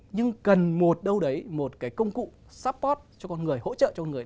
nhưng cần một đâu đấy một cái công cụ support cho con người hỗ trợ cho con người